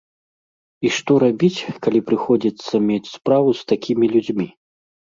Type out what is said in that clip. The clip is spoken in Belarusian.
І што рабіць, калі прыходзіцца мець справу з такімі людзьмі?